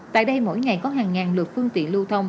tại đây mỗi ngày có hàng ngàn lượt phương tiện lưu thông